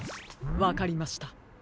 わかりました。